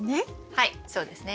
はいそうですね。